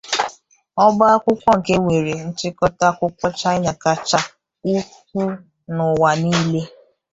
Ọbá akwụkwọ nke a nwere nchịkọta akwụkwọ China kacha ukwuu n'ụwa niile.